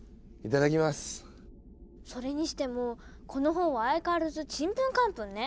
それにしてもこの本は相変わらずちんぷんかんぷんね